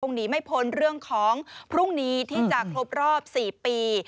หนีไม่พ้นเรื่องของพรุ่งนี้ที่จะครบรอบ๔ปี